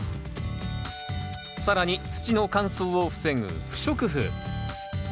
更に土の乾燥を防ぐ不織布。